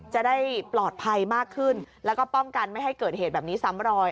จะได้ปลอดภัยมากขึ้นแล้วก็ป้องกันไม่ให้เกิดเหตุแบบนี้ซ้ำรอย